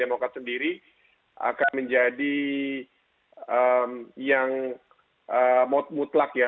demokrat sendiri akan menjadi yang mutlak ya